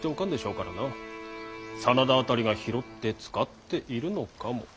真田辺りが拾って使っているのかも。